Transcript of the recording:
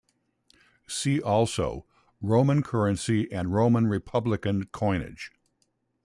"See also:" Roman currency and Roman Republican coinage.